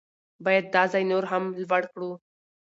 باید دا ځای نور هم لوړ کړو.